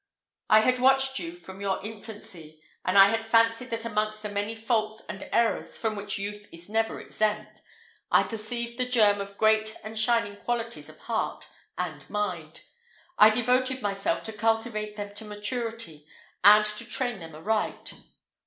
I had watched you from your infancy, and I had fancied that amongst the many faults and errors, from which youth is never exempt, I perceived the germ of great and shining qualities of heart and mind. I devoted myself to cultivate them to maturity, and to train them aright.